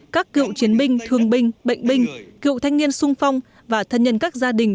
các cựu chiến binh thương binh bệnh binh cựu thanh niên sung phong và thân nhân các gia đình